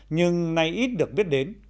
nhưng nay ít được biết đến